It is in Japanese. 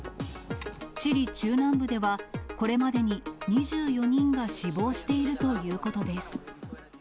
チリ中南部では、これまでに２４人が死亡しているということです。